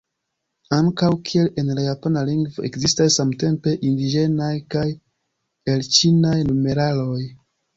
Ankaŭ kiel en la japana lingvo, ekzistas samtempe indiĝenaj kaj elĉinaj numeraloj.